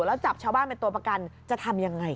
แล้วจับชาวบ้านเป็นตัวประกันจะทำยังไง